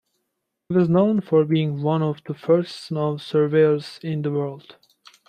He was known for being one of the first snow surveyors in the world.